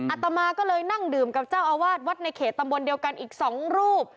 อตมาก็เลยนั่งดื่มกับเจ้าอาวาสวัดในเขตตำบลเดียวกันอีก๒รูป